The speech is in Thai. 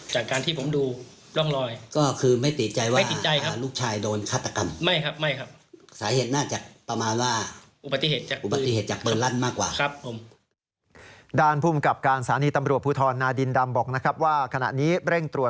จากการที่ผมดูร่องรอย